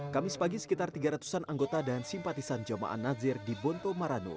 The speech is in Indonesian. kamis pagi sekitar tiga ratus an anggota dan simpatisan jamaah nazir di bonto maranu